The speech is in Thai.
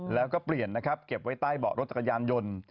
แล้วก็เปลี่ยนนะครับเก็บไว้ใต้เบาะรถจักรยานยนต์